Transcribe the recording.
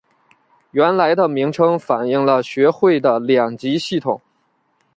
原来的名称反应了学会的两级系统。